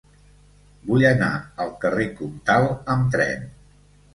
Vull anar al carrer Comtal amb tren.